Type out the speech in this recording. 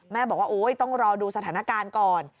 แม่บอกว่าโอ๊ยต้องรอดูสถานการณ์ก่อน